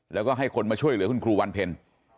แล้วก็ให้คนมาช่วยเหลือคุณครูวันเพ็ญ